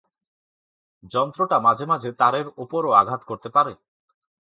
যন্ত্রটা মাঝে মাঝে তারের ওপরও আঘাত করতে পারে।